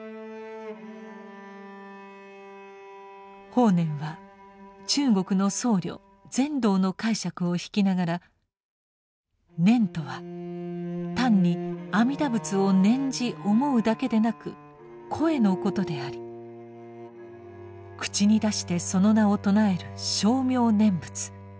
法然は中国の僧侶善導の解釈を引きながら「念」とは単に阿弥陀仏を念じ思うだけでなく「声」のことであり口に出してその名を称える「称名念仏」。